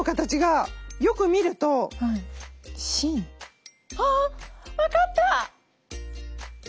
芯？あっ分かった！